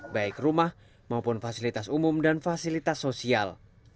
baik rumah maupun fasilitas umum dan fasilitas sosial